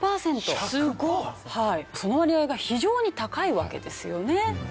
その割合が非常に高いわけですよね。